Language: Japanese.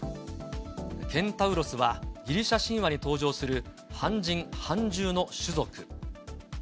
ケンタウロスは、ギリシャ神話に登場する半人半獣の種族。